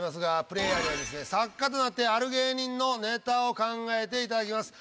プレイヤーにはですね作家となってある芸人のネタを考えていただきます。